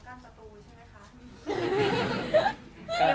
กั้นประตูใช่ไหมคะ